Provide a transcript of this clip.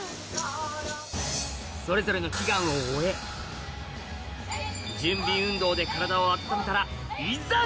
それぞれの祈願を終え準備運動で体を温めたらいざ！